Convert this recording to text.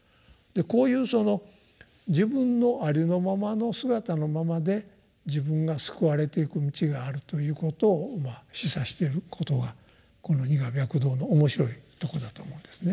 こういうその自分のありのままの姿のままで自分が救われていく道があるということを今示唆してることがこの二河白道の面白いところだと思うんですね。